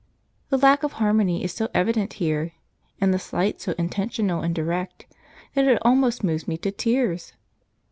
The lack of harmony is so evident here, and the slight so intentional and direct, that it almost moves me to tears.